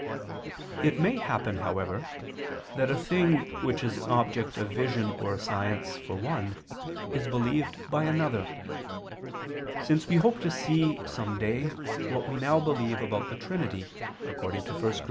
It may happen, however, that a thing which is an object of vision or science for one, is believed by another: since we hope to see some day what we now believe about the Trinity, according to 1 Cor.